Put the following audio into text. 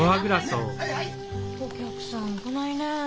お客さん来ないね。